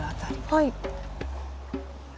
はい。